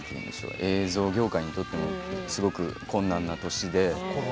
映像業界にとってもすごく困難な年で。